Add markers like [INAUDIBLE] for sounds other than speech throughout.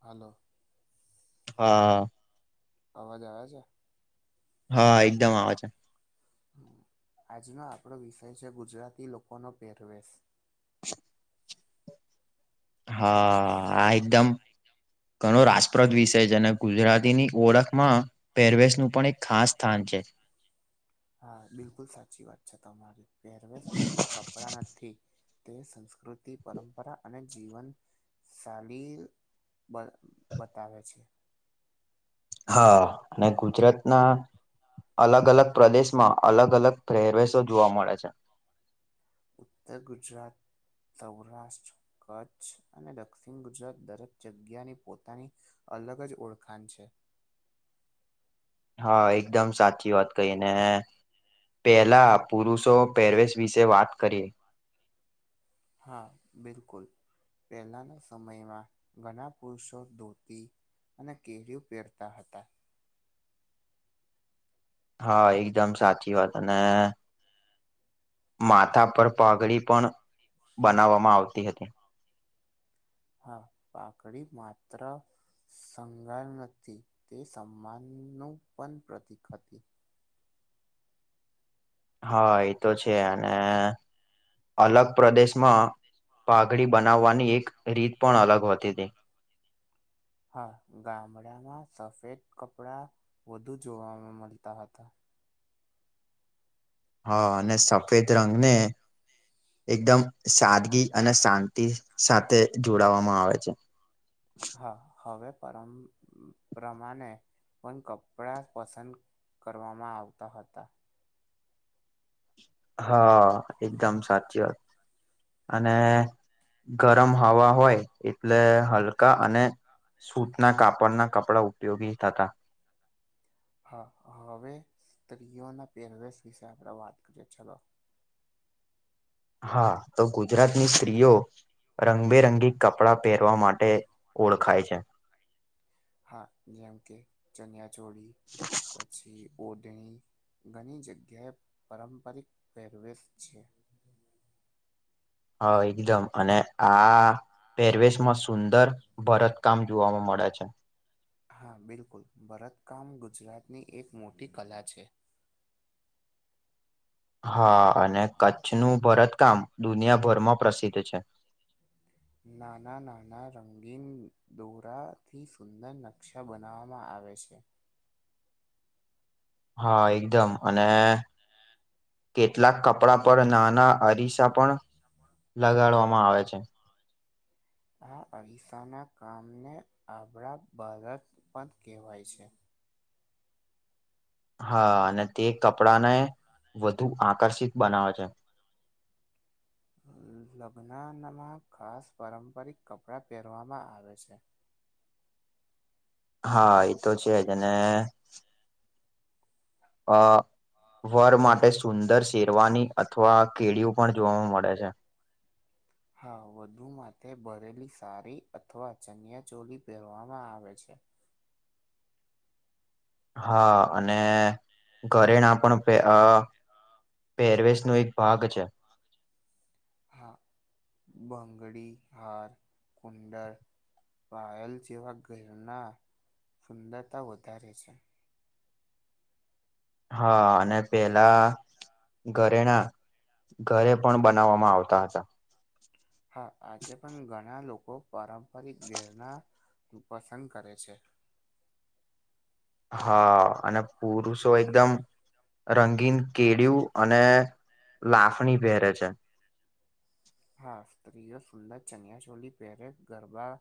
Hello. હા. અવાજ આવે છે? હા એકદમ આવે છે. હા આજનો આપણો વિષય છે ગુજરાતી લોકો નો પેહરવેશ. હા આ એકદમ ઘણો રાસ પ્રદ વિષય છે અને ગુજરાતીની ઓળખમાં પેહરવેશ નું પણ એક ખાસ સ્થાન છે. હા બિલકુલ સાચી વાત છે તમારી પહેરવેશ માત્ર કપડાં નથી. તે સંસ્કૃતિ, પરંપરા અને જીવનશાલી બ બતાવે છે. હા અને ગુજરાત ના અલગ અલગ પ્રદેશમાં અલગ અલગ પેહરવેશો જોવા મળે છે. ઉત્તર ગુજરાત, સૌરાષ્ટ્ર કચ્છ અને દક્ષિણ ગુજરાત દરેક જગ્યાની પોતાની અલગ જ ઓળખાણ છે. હા એકદમ સાચી વાત કહી ને પેલા પુરુષો પેહરવેેશ વિશે વાત કરીએ. હા બિલકુલ. પહેલાના સમયમાં ઘણા પુરુષો ધોતી અને કેડયુ પહેરતા હતા. હા એકદમ સાચી વાત અને માથા પર પાઘડી પણ બનાવવામાં આવતી હતી. હા પાકડી માત્ર શંગાર નથી, તે સન્માનનું પણ પ્રતિક હતી. હા એ તો છે અને અલગ પ્રદેશમાં પાઘડી બનાવવાની એક રીત પણ અલગ હોય પણ અલગ હોતી હા ગામડામાં સફેદ કપડા વધુ જોવામાં મળતા હતા. હા અને સફેદ રંગ ને એકદમ સાદગી અને શાંતિ સાથે જોડાવામાં આવે છે. હા હવે પરમ પ્રમાણે પણ કપડા પસંદ કરવામાં આવતા હતા. હા એકદમ સાચી વાત અને ગરમ હવા હોય એટલે હલકા અને સૂટ ના કાપડ ના કપડા ઉપયોગી થતા. હા હવે સ્ત્રીઓના પેહરવેસ વિશે આપણે વાત કરીએ ચલો. હા. તો ગુજરાતની સ્ત્રીઓ રંગબેરંગી કપડાં પહેરવા માટે ઓળખાય છે. હા જેમ કે ચનિયા ચોળી પછી ઓધણી ઘણી જગ્યાએ પારંપરિક પહેરવેેશ છે. હા, એકદમ અને આ પેરવેશમાં સુંદર ભરતકામ જોવામાં મળે છે. હા બિલકુલ, ભરતકામ ગુજરાતની એક મોટી કલા છે. હા અને કચ્છનું ભરતકામ દુનિયાભરમાં પ્રસિદ્ધ છે. નાના નાના રંગીન દોરા થી સુંદર નકશા બનાવવામાં આવે છે. હા એકદમ. અને કેટલાક કપડા પર નાના અરીસા પણ લગાડવામાં આવે છે. આ અઈસાના કામને આબળા બારત પણ કહેવાય છે. હા અને તે કપડાંને [INAUDIBLE] વધુ આકર્ષિત બનાવે છે. લગ્નમા માં ખાસ પારંપરિક કપડાં પહેરવામાં આવે છે. હા એ તો છેજ અને. અ વર માટે સુંદર શેરવાની, અથવા કેડિયું પણ જોવાવામાં મળે છે. હા વધુ માથે ભરેલી સારી અથવા ચનિયા ચોલી પહેરવામાં આવે છે. હા અને ઘરેણા પણ પે અ પેરવેેશ નો એક ભાગ છે. [INAUDIBLE] હા બંગડી હાર કુંડળ. પાયલ જેવા ગેહના સુંદરતા વધારે છે. હા અને પેલા. ઘરેણા ઘરે પણ બનાવવામાં આવતા હતા. હા આજે પણ ઘણા લોકો પારંપરિક ઘેરણા પસંદ કરે છે. હા અને પુરુષો એકદમ રંગીન કેળિયું અને લાફણી પહેરે છે. હા સ્ત્રીઓ સુંદર ચનિયા ચોલી પહેરે ગરબા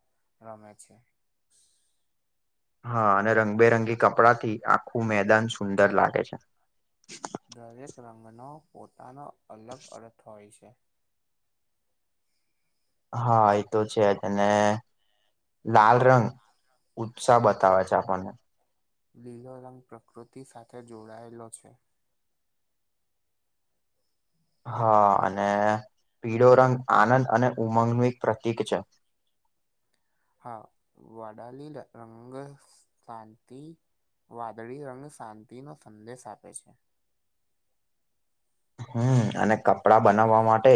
રમે છે. હા અને રંગબેરંગી કપડા થી આખું મેદાન સુંદર લાગે છે. દરેક રંગનો પોતાનો અલગ અર્થ હોય છે. હા એતો છે જ, અને લાલ રંગ [INAUDIBLE] ઉત્સાહ બતાવે છે આપણને લીલો રંગ પ્રકૃતિ સાથે જોડાયેલો છે. હા અને પીળો રંગ આનંદ અને ઉમંગનું એક પ્રતિક છે હા, વાડાલીલે રંગે શાંતિ વાદળી રંગ શાંતિ નો સંદેશ આપે છે. હમ્મ, અને કપડા બનાવવા માટે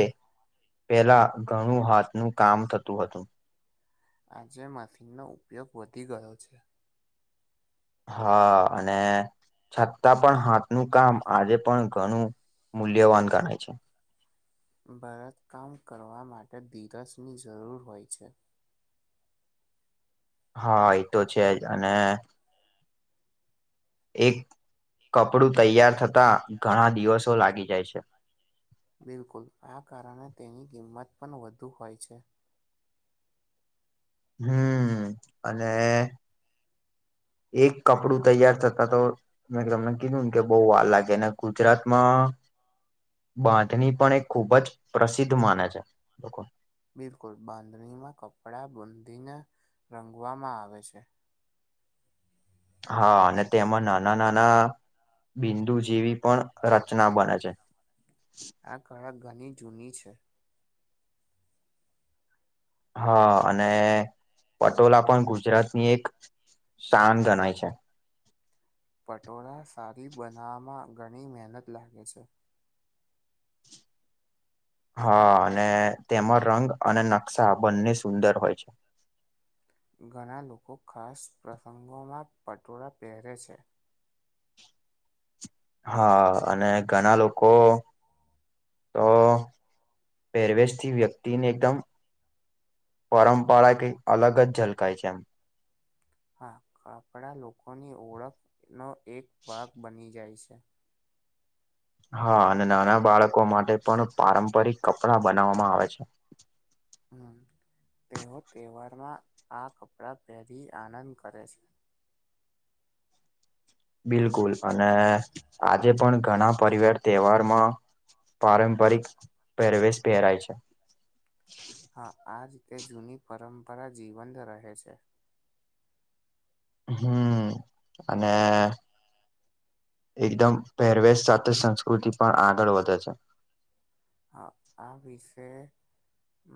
પેલા ઘણું હાથનું કામ થતું હતું. [INAUDIBLE] આજે માશીનનો ઉપયોગ વધી ગયો છે હા અને છતાં પણ હાથનું કામ આજે પણ ઘણું મૂલ્યવાન ગણાય છે. ભરતકામ કરવા માટે ધીરજની જરૂર હોય છે હા, એતો છે જ, અને એક કપડું તૈયાર થતા ઘણા દિવસો લાગી જાય છે. બિલકુલ, આ કારણે તેની કિંમત પણ વધુ હોય છે. હમ, અને એક કપડું તૈયાર થતા તો. મેં તમને કીધું કે, બહુ વાર લાગે, અને ગુજરાતમાં બાંધણી પણ એ ખુબ જ પ્રસિદ્ધ માને છે. બિલકુલ, બાંધણીમાં કપડા બૂંધીને રંગવામાં આવે છે. હા, અને તેમાં નાના-નાના બિંદુ જેવી પણ રચના બને છે. આ કડક ઘણી જૂની છે. હા, અને પટોળા પણ ગુજરાતની એક શાન ગણાય છે. પટોળ સારી બનાવવામાં ઘણી મહેનત લાગે છે. હા, અને તેમાં રંગ અને નકશા બંને સુંદર હોય છે. ઘણા લોકો ખાસ પ્રસંગોમાં પટોળા પહેરે છે. હા, અને ઘણા લોકો તો પહેરવેશ થી વ્યક્તિ ને એકદમ પરંપરા કઈ અલગ જ ઝલકાય છે એમ. હા, કાફડા લોકોની ઓળખનો એક ભાગ બની જાય છે. હા, અને નાના બાળકો માટે પણ પારંપરિક કપડા બનાવવામાં આવે છે. હમ, તેઓ તહેવારમાં આ કપડાં પહેરી આનંદ કરે છે. બિલકુલ, અને આજે પણ ઘણા પરિવાર તહેવારમાં પારંપરિક પહેરવેશ પહેરાય છે. હા, આ રીતે જૂની પરંપરા જીવંત રહે છે. હમ, અને એકદમ, પહેરવેશ સાથે સંસ્કૃતિ પણ આગળ વધે છે‌. હા, આ વિશે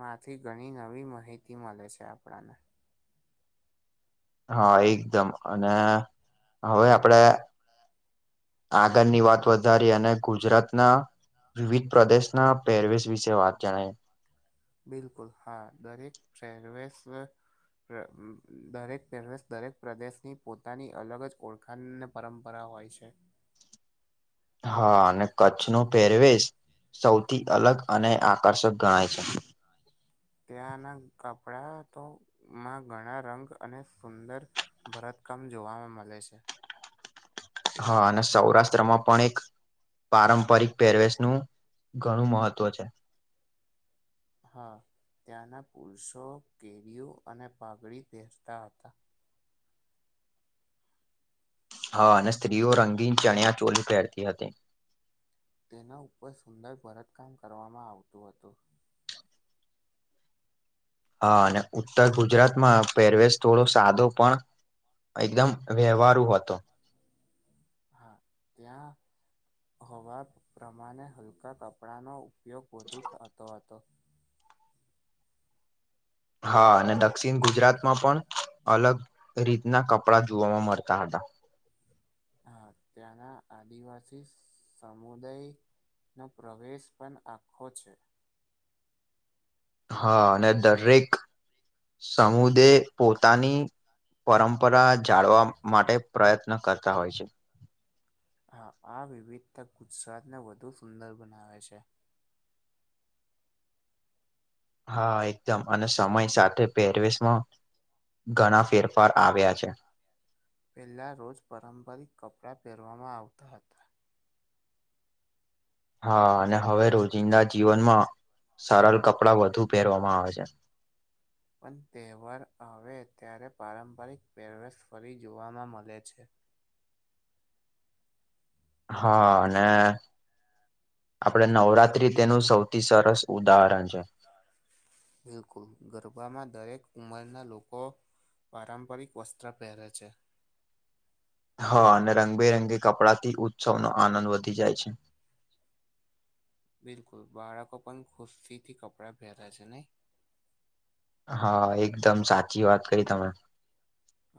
માંથી ઘણી નવી માહિતી મળે છે આપણને. હા, એકદમ અને હવે આપડે આગળની વાત વધારી અને ગુજરાતના વિવિધ પ્રદેશના પેરવસ વિશે વાત જણાય. બિલકુલ, હા, દરેક ફરવેસ દરેક પ્રેશ દરેક પ્રદેશની પોતાની અલગ જ ઓળખ. ખન પરંપરા હોય છે. હા, અને કચ્છ ન પેરવેશ સૌથી અલગ અને આકર્ષક ગણાય છે. ત્યાંના કપડા તો માં ઘણા રંગ અને સુંદર ભરતકામ જોવાવામાં મળે છે. હા અને સૌરાષ્ટ્રમાં પણ એક પારંપરિક પેરવેશ નું, ઘણું મહત્વ છે. હા, ત્યાંના પુરુષો કેરીઓ અને પાગડી પહેરતા હતા. હા અને સ્ત્રીઓ રંગીન ચણ્યા ચોલી પહેરતી હતી. તેના ઉપર સુંદર ભરતકામ કરવામાં આવતું હતું. હા અને ઉત્તર ગુજરાતમાં પહેરવેશ થોડો સાદો પણ એકદમ વ્યવહારું હતો. હા, ત્યાં હવા પ્રમાણે હલકા કપડાંનો ઉપયોગ વધુતો થતો હતો. હા, અને દક્ષિણ ગુજરાતમાં પણ અલગ રીતના કપડા જોવામાં મળતા હતા. હા, ત્યાંના આદિવાસી સમુદાય નો પ્રવેશ પણ આખો છે. હા, અને દરેક સમુદાયે પોતાની પરંપરા જાળવા માટે પ્રયત્ન કરતા હોય છે. હા, આ વિવિધતા ગુજરાતને વધુ સુંદર બનાવે છે. હા, એકદમ અને સમય સાથે પહેરવેશમાં ઘણા ફેર ફાર આવ્યા છે. પેલા રોજ પારંપારિક કપડા પહેરવામાં આવતા હતા. હા અને હવે રોજિંદા જીવનમાં સરળ કપડા વધુ પહેરવામાં આવે છે. [INAUDIBLE] પણ, તહેવાર હવે અત્યારે પારંપરિક પહેરવેશ ફરી જોવામાં મળે છે. હા અને આપડે નવરાત્રી તેનું સૌથી સરસ ઉદાહરણ છે. બિલકુલ ગરબામાં દરેક ઉંમરના લોકો પારંપારિક વસ્ત્ર પહેરે છે. હા અને રંગબેરંગી કપડાથી ઉત્સવનો આનંદ વધી જાય છે. બિલકુલ બાળકો પણ ખુસી થી કપડા પેરે છે નઈ? હા, એકદમ સાચી વાત કરી તમે.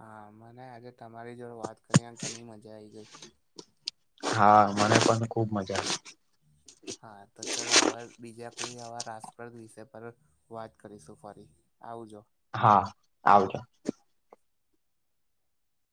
હા, મને આજે તમારી જોડે વાત કરીને ઘણી મજા આઈ ગઈ. હા, મને પણ ખુબ મજા આવી. હા, તો ચાલો અવે બીજા કોઈ આવા રાસપ્રદ વિષય પર વાત કરીશું ફરી આવજો. હા, આવજો.